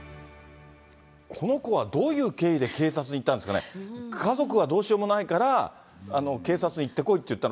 この子はどういう経緯で、警察に行ったんですかね、家族がどうしようもないから、警察に行って来いって言ったの？